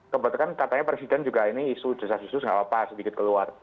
sebenarnya katanya presiden juga ini isu jasad jasad tidak apa apa sedikit keluar